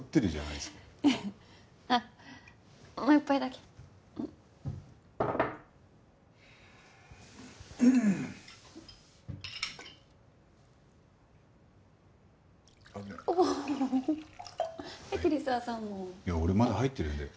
いや俺まだ入ってるんで。